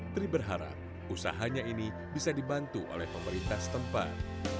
tri berharap usahanya ini bisa dibantu oleh pemerintah setempat